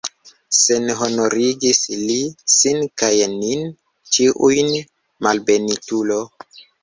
Senhonorigis li sin kaj nin ĉiujn, malbenitulo!